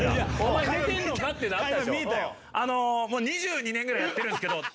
もう２２年ぐらいやってるんですけど。